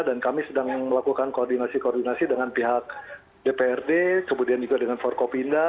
dan kami sedang melakukan koordinasi koordinasi dengan pihak dprd kemudian juga dengan forkopinda